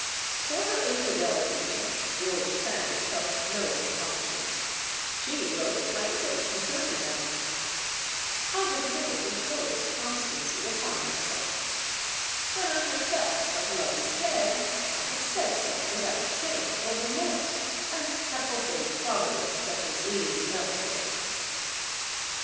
For her infidelities George Sand felt no compunc tion. She wrote frankly concerning them: I have never imposed constancy upon myself. When I have felt that love is dead, I have said so without shame or remorse, and have obeyed Providence that was leading me elsewhere.